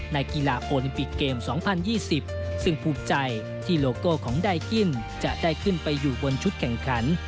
ในกีฬาโอลิมปิกเกม๒๐๒๐ซึ่งภูมิใจที่โลโก้ของไดกินจะได้ขึ้นไปอยู่บนชุดแข่งขัน